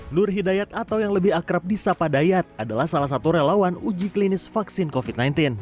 nur hidayat atau yang lebih akrab di sapa dayat adalah salah satu relawan uji klinis vaksin covid sembilan belas